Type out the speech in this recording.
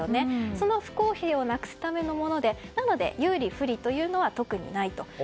その不公平をなくすためのもので有利・不利というのは特にないと。